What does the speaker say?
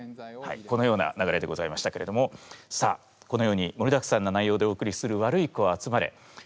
はいこのような流れでございましたけれどもさあこのようにもりだくさんな内容でお送りする「ワルイコあつまれ」。